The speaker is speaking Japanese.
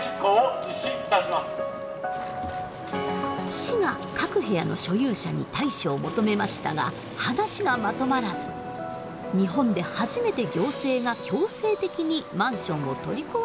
市が各部屋の所有者に対処を求めましたが話がまとまらず日本で初めて行政が強制的にマンションを取り壊すことに。